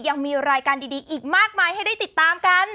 ยังมีรายการดีอีกมากมายให้ได้ติดตามกัน